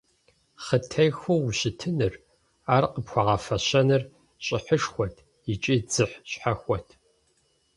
Хъытехыу ущытыныр, ар къыпхуагъэфэщэныр щӀыхьышхуэт икӀи дзыхь щхьэхуэт.